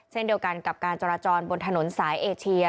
เช่นเดียวกันกับการจราจรบนถนนสายเอเชีย